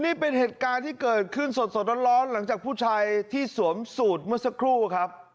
นี่เป็นเหตุการณ์ที่เกิดขึ้นสดร้อนหลังจากผู้ชายที่สวมสูตรเมื่อสักครู่ครับ